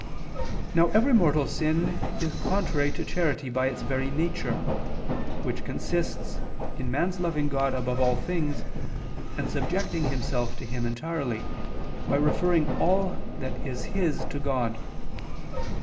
Now every mortal sin is contrary to charity by its very nature, which consists in man's loving God above all things, and subjecting himself to Him entirely, by referring all that is his to God.